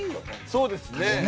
そうですね。